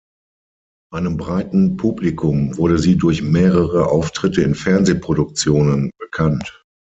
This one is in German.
Einem breiten Publikum wurde sie durch mehrere Auftritte in Fernsehproduktionen bekannt.